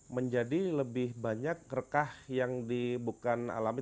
menjadi lebih banyak rekah yang bukan alami